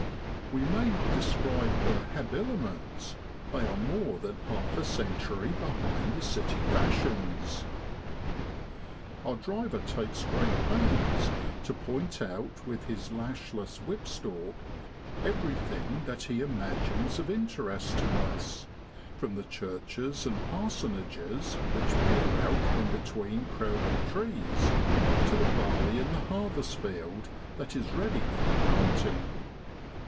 We may not describe her habiliments they are more than half a century behind the city fashions. Our driver takes great pains to point out with his lashless whip stalk every thing that he imagines of interest to us, from the churches and parsonages which peer out from between crowding trees, to the barley in the harvest field that is ready for the carting.